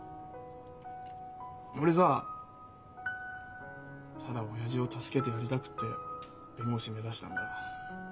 俺さただ親父を助けてやりたくって弁護士目指したんだ。